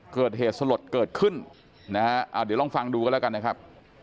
เกิดเหตุสลดเกิดขึ้นนะฮะเดี๋ยวลองฟังดูกันแล้วกันนะครับ